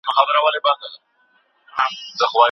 ولې د استاد او شاګرد مزاجي یووالی مهم دی؟